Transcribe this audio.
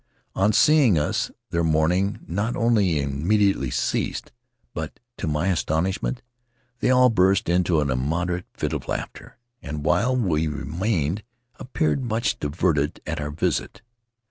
On seeing us their mourning not only immediately ceased, but, to my astonishment, they all burst into an im moderate fit of laughter, and, while we remained, appeared much diverted at our visit.